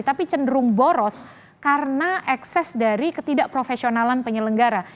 tapi cenderung boros karena ekses dari ketidakprofesionalan penyelenggara